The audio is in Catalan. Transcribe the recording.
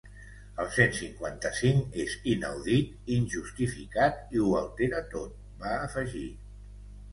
El cent cinquanta-cinc és inaudit, injustificat i ho altera tot, va afegir.